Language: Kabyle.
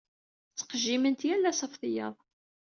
Ttqejjiment yal ass ɣef tiyaḍ.